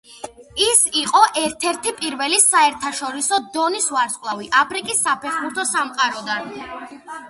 ის იყო ერთ-ერთი პირველი საერთაშორისო დონის ვარსკვლავი აფრიკის საფეხბურთო სამყაროდან.